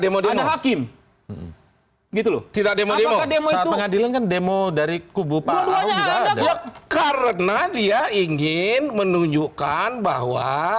demo demo hakim gitu loh tidak demo demo demo dari kubu pak karena dia ingin menunjukkan bahwa